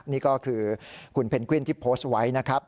นี่ก็คือคุณเพนกวินที่โพสต์ไว้นะครับ